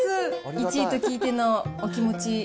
１位と聞いてのお気持ち。